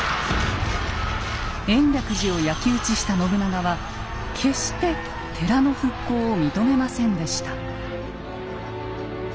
延暦寺を焼き打ちした信長は決して寺の復興を認めませんでした。